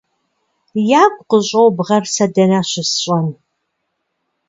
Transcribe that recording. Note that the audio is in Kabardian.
- Ягу къыщӏобгъэр сэ дэнэ щысщӏэн?